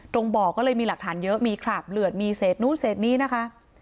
ตรงบ่อก็เลยมีหลักฐานเยอะมีคราบเลือดมีเศษนู้นเศษนี้นะคะ